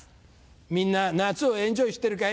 みんな夏をエンジョイしてるかい？